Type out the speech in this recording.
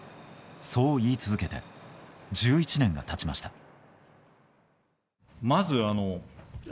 そう言い続けて１１年が経ちました。